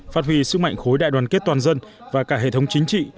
phát huy sức mạnh khối đại đoàn kết toàn dân và cả hệ thống chính trị